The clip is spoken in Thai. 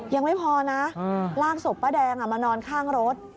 ยังไม่พอนะลากศพป้าแดงมานอนข้างรถ